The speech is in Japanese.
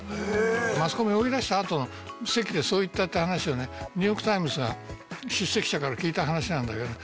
マスコミを追い出した後の席でそう言ったって話をねニューヨーク・タイムズが出席者から聞いた話なんだけどね。